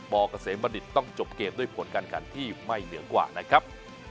เกษมบัณฑิตต้องจบเกมด้วยผลการขันที่ไม่เหนือกว่านะครับ